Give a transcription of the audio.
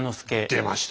出ました！